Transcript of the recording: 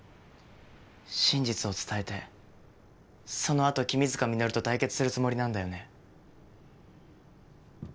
真実を伝えてそのあと君塚実と対決するつもりなんだよね。